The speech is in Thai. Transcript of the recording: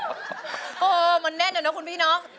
เออมันแน่นอะเนาะคุณพี่น้อง